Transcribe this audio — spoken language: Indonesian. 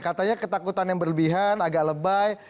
katanya ketakutan yang berlebihan agak lebay